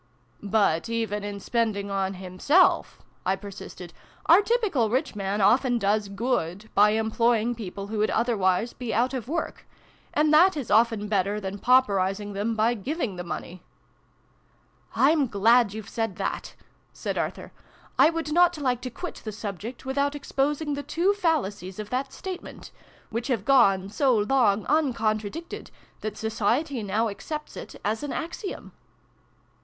" But, even in spending on himself" I per sisted, " our typical rich man often does good, by employing people who would otherwise be out of work : and that is often better than pauperising them by giving the money." "I'm glad you've said that!" said Arthur. " I would not like to quit the subject without exposing the two fallacies of that statement which have gone so long uncontradicted that Society now accepts it as an axiom